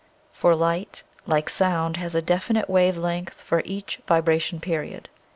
For light, like sound, has a definite wave length for each vi bration period.